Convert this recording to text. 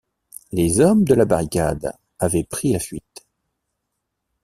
Les hommes de la barricade avaient pris la fuite.